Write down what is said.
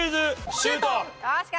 シュート！